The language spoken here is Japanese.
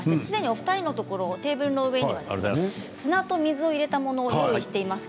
お二人のテーブルの上には砂と水を入れたものをご用意しています。